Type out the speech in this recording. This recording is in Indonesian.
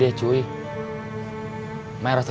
justru saya ke sini mau cari dede cuy